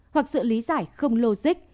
và lý giải không logic